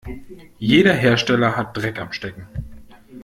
Jeder Hersteller hat Dreck am Stecken.